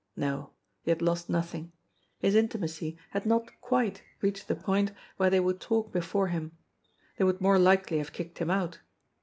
No! He had lost nothing. His intimacy had not quite reached the point where they would talk before him. They would more likely have kicked him out.